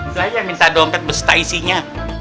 saya yang minta dompet besta isinya